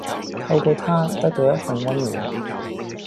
透過它得到一份温暖